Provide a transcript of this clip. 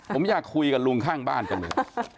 ผมอยากคุยกับลุงข้างบ้านจังเลย